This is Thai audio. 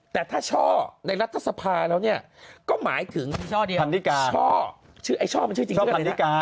แต่ถ้าช่อในรัฐสภาแล้วเนี่ยก็หมายถึงช่อพันนิกา